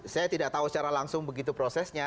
saya tidak tahu secara langsung begitu prosesnya